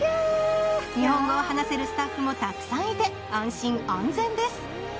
日本語を話せるスタッフもたくさんいて、安心・安全です。